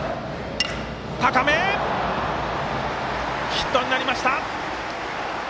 ヒットになりました。